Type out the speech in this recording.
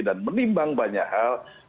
dan menimbang banyak hal